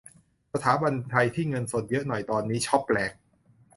สถาบันไทยที่เงินสดเยอะหน่อยตอนนี้ช็อปแหลก